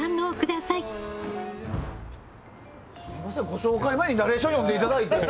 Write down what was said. すみません、ご紹介前にナレーションを読んでいただいて。